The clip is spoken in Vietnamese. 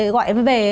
gọi nó về